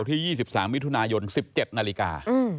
จน๑๗นาฬิกา